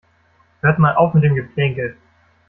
Hört mal auf mit dem Geplänkel.